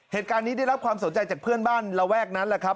เหตุการณ์นี้ได้รับความสนใจจากเพื่อนบ้านระแวกนั้นแหละครับ